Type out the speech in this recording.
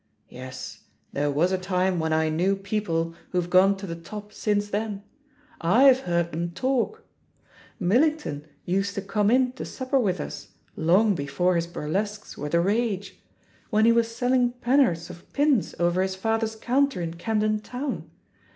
Yes, there was a time when I knew people whoVe gone to the top since then. Fve heard 'em talk I Millington used to come in to supper with us, long before his burlesques were the rage — ^when he was selling pen'orths of pins over his father's counter in Camden Town.